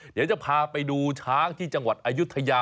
เดี๋ยวจะพาไปดูช้างที่จังหวัดอายุทยา